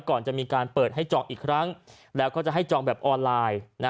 ก่อนจะมีการเปิดให้จองอีกครั้งแล้วก็จะให้จองแบบออนไลน์